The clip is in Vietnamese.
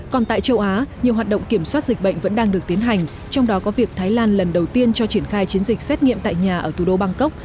còn tại châu á nhiều hoạt động kiểm soát dịch bệnh vẫn đang được tiến hành trong đó có việc thái lan lần đầu tiên cho triển khai chiến dịch xét nghiệm tại nhà ở thủ đô bangkok